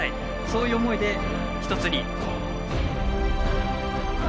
そういう思いで一つに。